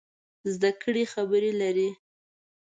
زده کړې خبرې لري.